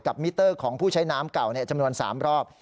มิเตอร์ของผู้ใช้น้ำเก่าจำนวน๓รอบ